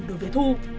đối với thu